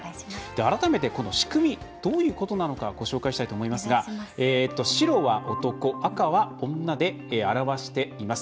改めてのこの仕組みどういうことなのかご紹介したいと思いますが白は男、赤は女で表しています。